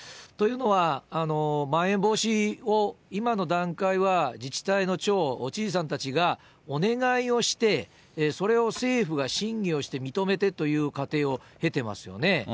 というのは、まん延防止を、今の段階は自治体の長、知事さんたちがお願いをして、それを政府が審議をして認めてという過程を経てますよね。